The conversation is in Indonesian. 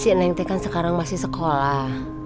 sekarang kamu kan masih sekolah